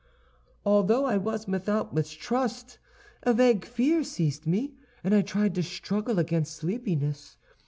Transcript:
Although I was without mistrust, a vague fear seized me, and I tried to struggle against sleepiness.